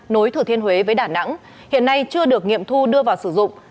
nối thừa thiên huế với đà nẵng hiện nay chưa được nghiệm thu đưa vào sử dụng